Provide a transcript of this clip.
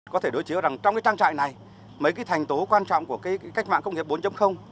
có thể đối chiếu rằng trong cái chăn chạy này mấy cái thành tố quan trọng của cách mạng công nghệ bốn